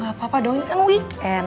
gak apa apa dong ini kan weekend